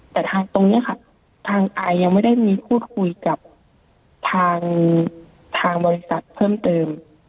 แต่ทางตรงนี้ค่ะทางอายยังไม่ได้มีพูดคุยกับทางบริษัทเพิ่มเติม